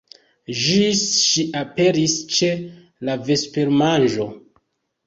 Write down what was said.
Ĝis ŝi aperis ĉe la vespermanĝo.